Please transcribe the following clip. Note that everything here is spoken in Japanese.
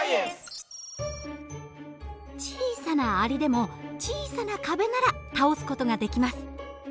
小さなアリでも小さな壁なら倒す事ができます。